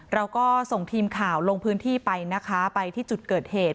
เราก็ส่งทีมข่าวลงพื้นที่ไปนะคะไปที่จุดเกิดเหตุ